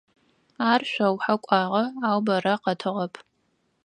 Ар шъоухьэ кӀуагъэ, ау бэрэ къэтыгъэп.